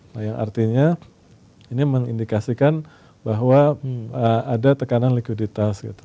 nah yang artinya ini mengindikasikan bahwa ada tekanan likuiditas gitu